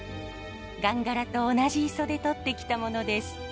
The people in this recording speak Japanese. ガンガラと同じ磯でとってきたものです。